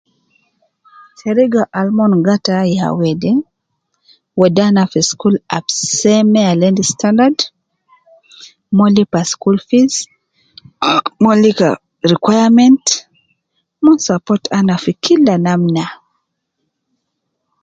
Teriga al mon gatay yawede, wedi ana fi school ab seme al endi standard ,mon lipa school fees, mon lipa ahh requirements, mon support ana fi kila namna